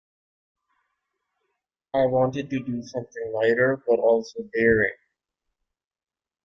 I wanted to do something lighter but also daring ...